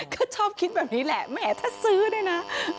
ก็ชอบคิดแบบนี้แหละแหมถ้าซื้อด้วยนะ